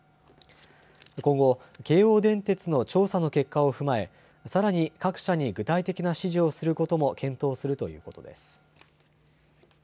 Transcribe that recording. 今後、京王電鉄の調査の結果を踏まえ、さらに各社に具体的な指示をすることも検討するということです。